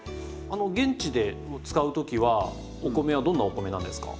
現地で使う時はお米はどんなお米なんですか？